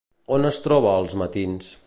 On es troba als matins?